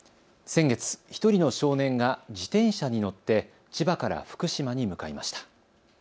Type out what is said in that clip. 先月、１人の少年が自転車に乗って千葉から福島に向かいました。